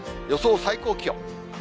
予想最高気温。